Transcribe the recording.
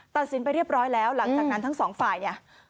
ตัดสินไปเรียบร้อยแล้วหลังจากนั้นทั้งสองฝ่ายเนี่ย